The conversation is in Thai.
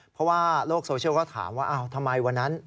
เพราะว่าโลกโซเชียลก็ถามว่าทำไมวันนั้น